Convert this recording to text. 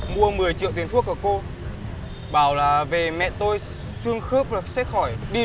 bệnh của mình là như thế nào là mình phải bắt mạch kê đơn